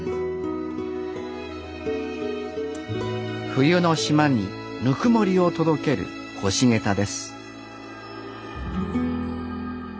冬の島にぬくもりを届ける干しゲタです